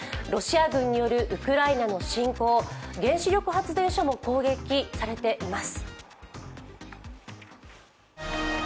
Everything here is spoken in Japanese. ロシア軍によるウクライナの侵攻、原子力発電所も攻撃されています。